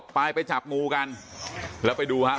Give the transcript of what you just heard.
ผู้ชิงผู้เห็นผู้ชิง